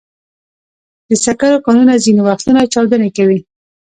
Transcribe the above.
د سکرو کانونه ځینې وختونه چاودنې کوي.